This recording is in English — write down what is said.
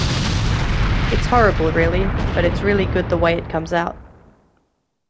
It's horrible really, but it's really good the way it comes out.